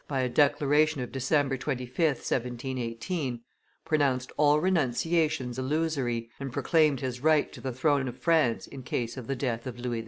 by a declaration of December 25th, 1718, pronounced all renunciations illusory, and proclaimed his right to the throne of France in case of the death of Louis XV.